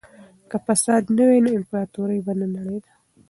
که فساد نه وای نو امپراطورۍ به نه نړېده.